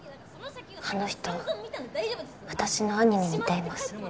あの人私の兄に似ています。